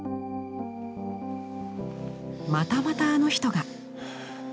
またまたあの人が。